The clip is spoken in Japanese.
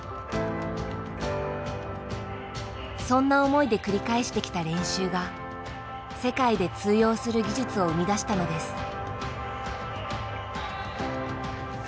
そんな思いで繰り返してきた練習が世界で通用する技術を生み出したのです。